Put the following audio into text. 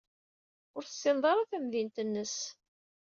Ur tessined ara tamdint-nnes.